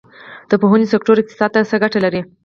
د پوهنې سکتور اقتصاد ته څه ګټه لري؟